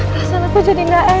perasaan aku jadi enggak enak